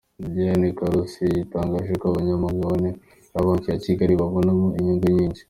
Diane Karusisi yatangaje ko abanyamigabane ba Banki ya Kigali bazabonamo inyungu nyinshi.